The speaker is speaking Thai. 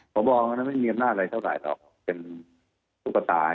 ขอบอกว่ามันไม่มีเนียมหน้าอะไรเท่าไหร่ได้หรอกเป็นสุกตาย